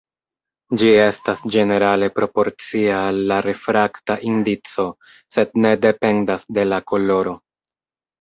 Ĝi estas ĝenerale proporcia al la refrakta indico, sed ne dependas de la koloro.